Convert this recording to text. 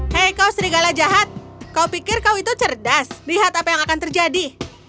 hei kau serigala jahat kau pikir kau itu cerdas lihat apa yang akan terjadi